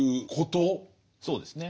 そうですね。